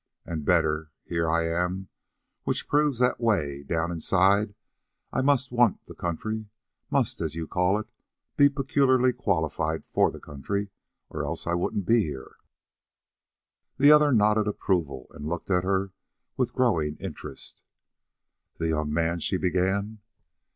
And better, here I am, which proves that 'way down inside I must want the country, must, as you call it, be peculiarly qualified for the country, or else I wouldn't be here." The other nodded approval, and looked at her with growing interest. "That young man " she began.